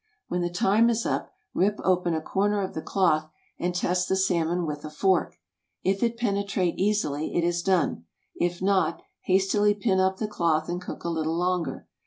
When the time is up, rip open a corner of the cloth and test the salmon with a fork. If it penetrate easily, it is done. If not, hastily pin up the cloth and cook a little longer.